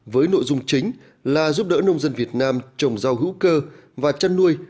với nội dung chính là giúp đỡ nông dân việt nam trồng rau hữu cơ và chăn nuôi